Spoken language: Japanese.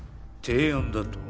提案だと？